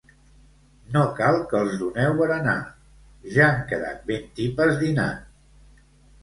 No cal que els doneu berenar: ja han quedat ben tipes dinant.